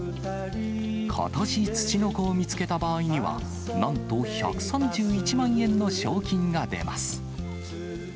ことし、つちのこを見つけた場合には、なんと１３１万円の賞金が出ます。